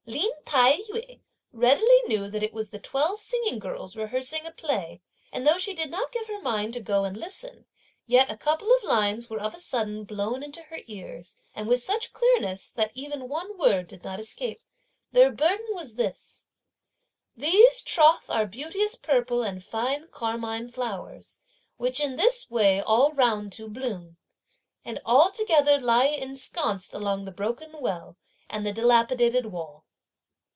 Lin Tai yü readily knew that it was the twelve singing girls rehearsing a play; and though she did not give her mind to go and listen, yet a couple of lines were of a sudden blown into her ears, and with such clearness, that even one word did not escape. Their burden was this: These troth are beauteous purple and fine carmine flowers, which in this way all round do bloom, And all together lie ensconced along the broken well, and the dilapidated wall!